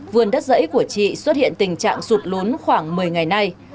vườn đất dãy của chị xuất hiện tình trạng sụt lún khoảng một mươi ngày nay